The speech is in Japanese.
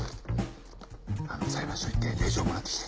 裁判所行って令状もらってきて。